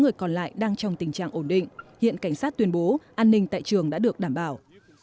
sáu người còn lại đang trong tình trạng ổn định hiện cảnh sát tuyên bố an ninh tại trường đã được đảm bảo